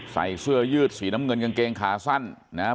ใส่เสื้อยืดสีน้ำเงินกางเกงขาสั้นนะครับ